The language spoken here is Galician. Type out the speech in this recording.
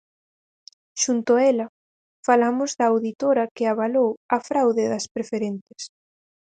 Xunto a ela, falamos da auditora que avalou a fraude das preferentes.